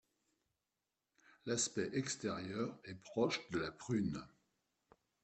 L'aspect extérieur est proche de la prune.